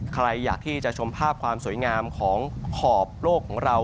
ใครอยากที่จะชมภาพความสวยงามของขอบโลกของเรา